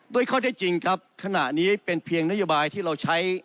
ข้อได้จริงครับขณะนี้เป็นเพียงนโยบายที่เราใช้